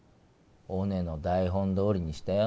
おねの台本どおりにしたよ。